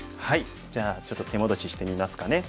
じゃあちょっと手戻ししてみますかね。